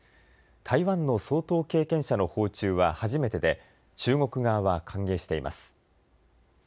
台湾の総統経験者の訪中は初めてで中国側は歓迎しています。